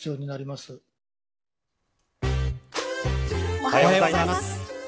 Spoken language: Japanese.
おはようございます。